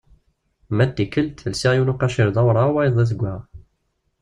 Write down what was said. Ma d tikkelt, lsiɣ yiwen uqaciṛ d awraɣ, wayeḍ d azeggaɣ.